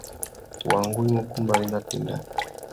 Wăngú i mú kumbari nà téndá.